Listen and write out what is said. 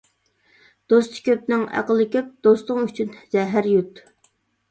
دوستى كۆپنىڭ ئەقلى كۆپ، دوستۇڭ ئۈچۈن زەھەر يۇت.